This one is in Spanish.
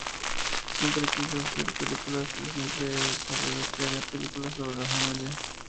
Siempre quise hacer películas, y siempre he sabido que haría películas sobre la familia".